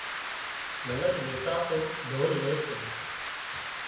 منک ويساتو ڍول لي سي